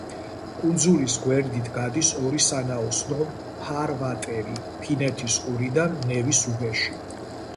კუნძულის გვერდით გადის ორი სანაოსნო ფარვატერი, ფინეთის ყურიდან ნევის უბეში.